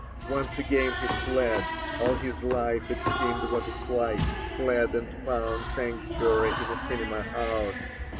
... Once again he fled ;— All his life, it seemed, was a flight ;— Fled and found Sanctuary in a cinema house.